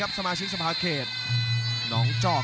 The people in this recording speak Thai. และอัพพิวัตรสอสมนึก